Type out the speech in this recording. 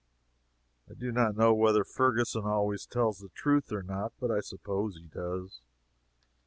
I do not know whether Ferguson always tells the truth or not, but I suppose he does.